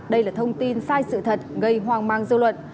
đây là thông tin sai sự thật gây hoang mang dư luận